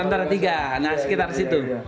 nah sekitar situ